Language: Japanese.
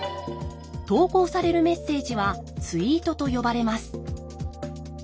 投稿されるメッセージはツイートと呼ばれます。